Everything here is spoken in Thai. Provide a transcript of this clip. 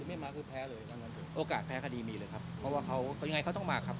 ไม่มาคือแพ้เลยทั้งนั้นโอกาสแพ้คดีมีเลยครับเพราะว่าเขายังไงเขาต้องมาครับ